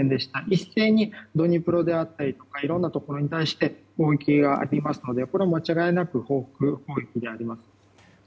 一斉にドニプロであったりいろんなところに対して攻撃がありますのでこれも間違いなく報復攻撃です。